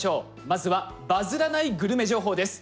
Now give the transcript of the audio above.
まずはバズらないグルメ情報です。